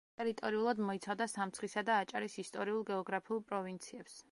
ტერიტორიულად მოიცავდა სამცხისა და აჭარის ისტორიულ-გეოგრაფიულ პროვინციებს.